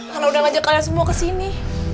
kalau udah ngajak kalian semua kesini